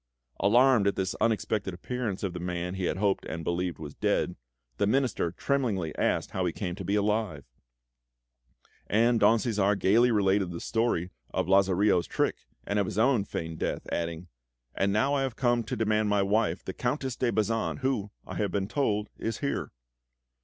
Alarmed at this unexpected appearance of the man he had hoped and believed was dead, the Minister tremblingly asked how he came to be alive; and Don Cæsar gaily related the story of Lazarillo's trick, and of his own feigned death, adding: "And now I have come to demand my wife, the Countess de Bazan, who, I have been told, is here!"